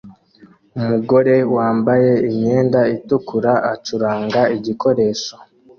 Umugore wambaye imyenda itukura acuranga igikoresho